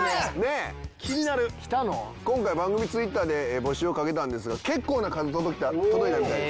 今回番組ツイッターで募集をかけたんですが結構な数届いたみたいです。